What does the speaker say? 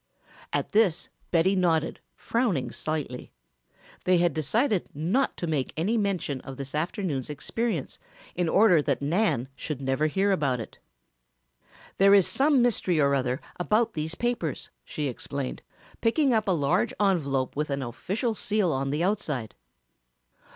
At this Betty nodded, frowning slightly. They had decided not to make any mention of the afternoon's experience in order that Nan should never hear about it. "There is some mystery or other about these papers," she explained, picking up a large envelope with an official seal on the outside.